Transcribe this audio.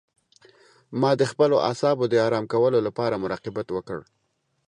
ما د خپلو اعصابو د آرام کولو لپاره مراقبت وکړ.